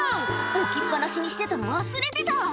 「置きっ放しにしてたの忘れてた！」